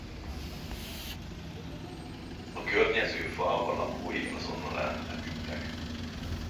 A környező falva lakói azonnal elmenekültek.